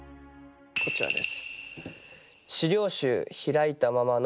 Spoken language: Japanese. こちらです。